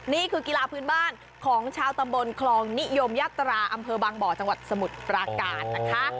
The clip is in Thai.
นี่คือกีฬาพื้นบ้านของชาวตำบลคลองนิยมยาตราอำเภอบางบ่อจังหวัดสมุทรปราการนะคะ